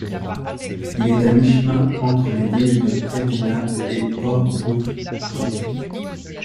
Il est à mi-chemin entre les villes de Kadina et Port Broughton.